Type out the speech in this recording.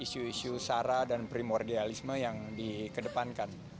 isu isu sara dan primordialisme yang dikedepankan